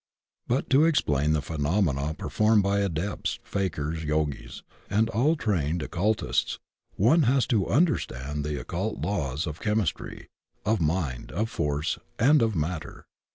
But to explain the phenomena performed by Adepts, Fakirs, Yogis and all trained occultists, one has to imderstand the occult laws of chemistry, of mind, of force, and of matter.